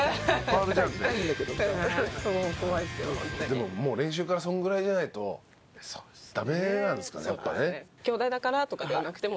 でももう練習からそのぐらいじゃないとダメなんですかねやっぱね。